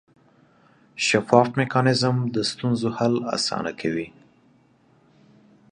شفاف میکانیزم د ستونزو حل اسانه کوي.